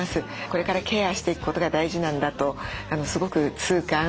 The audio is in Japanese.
これからケアしていくことが大事なんだとすごく痛感しました。